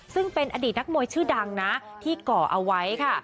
ซึ่งเป็นอดีตนักมวยชื่อดังนะที่ก่อเอาไว้ค่ะ